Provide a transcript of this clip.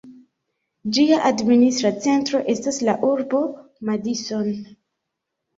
Ĝia administra centro estas la urbo Madison.